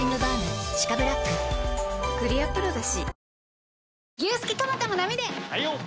クリアプロだＣ。